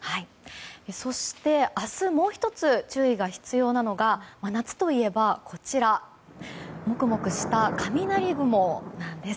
そして、明日もう１つ注意が必要なのが夏といえばモクモクした雷雲なんです。